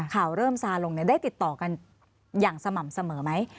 ข่าวเริ่มซาลงได้ติดต่อกันอย่างสม่ำเสมอไหม